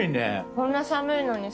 こんな寒いのにさ